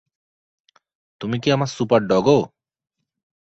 তুমি কি আমার সুপার ডগো?